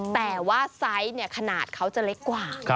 แต่ว่าไซส์ขนาดเขาจะเล็กกว่า